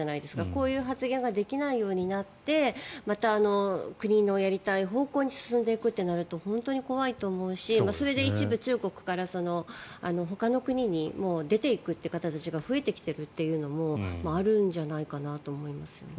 こういう発言ができないようになってまた国のやりたい方向に進んでいくってなると本当に怖いと思うしそれで一部、中国からほかの国に出ていくという方たちが増えてきているというのもあるんじゃないかなと思いますよね。